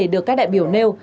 được các đại biểu nêu